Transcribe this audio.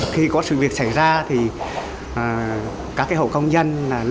khi có sự việc xảy ra các hộ công dân